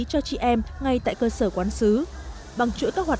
cho chị em ngay tại cơ sở quán xứ